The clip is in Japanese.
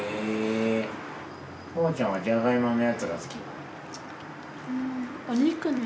モモちゃんはじゃが芋のやつが好きなの？